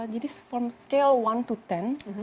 jadi dari skala satu ke sepuluh